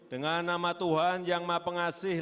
dengan nama tuhan yang maha pengasih